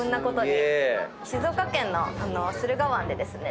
静岡県の駿河湾でですね